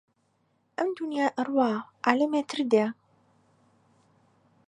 ئەم دونیا ئەڕوا عالەمێتر دێ